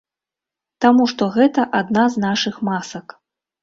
Таму што гэта адна з нашых масак.